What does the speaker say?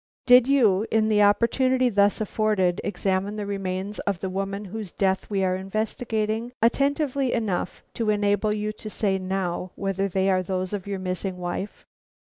"Did you, in the opportunity thus afforded, examine the remains of the woman whose death we are investigating, attentively enough to enable you to say now whether they are those of your missing wife?"